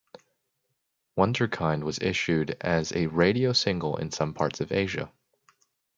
"Wunderkind" was issued as a radio single in some parts of Asia.